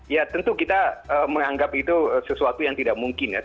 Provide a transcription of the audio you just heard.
ya tentu kita menganggap itu sesuatu yang tidak mungkin ya